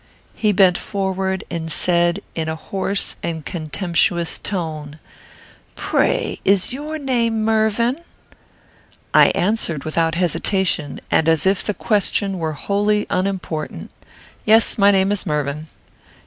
He bent forward, and said, in a hoarse and contemptuous tone, "Pray, is your name Mervyn?" I answered, without hesitation, and as if the question were wholly unimportant, "Yes; my name is Mervyn."